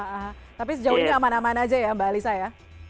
tapi sejauh ini aman aman aja ya mbak alisa ya